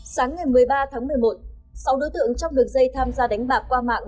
sáng ngày một mươi ba tháng một mươi một sáu đối tượng trong đường dây tham gia đánh bạc qua mạng